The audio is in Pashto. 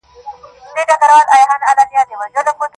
ما د زهرو پیاله نوش کړه د اسمان استازی راغی،